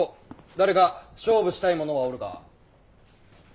誰か勝負したい者はおるか。